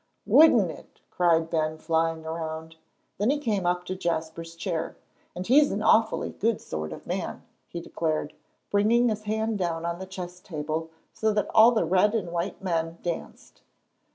"Wouldn't it!" cried Ben, flying around. Then he came up to Jasper's chair, "And he's an awfully good sort of man," he declared, bringing his hand down on the chess table so that all the red and white men danced.